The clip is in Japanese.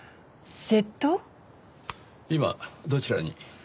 今どちらに？